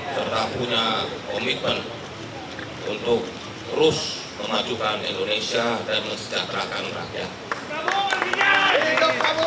serta punya komitmen untuk terus memajukan indonesia dan mensejahterakan rakyat